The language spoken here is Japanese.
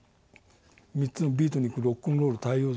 ３つの「ビートニク」「ロックンロール」「太陽族」